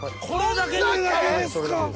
これだけですか？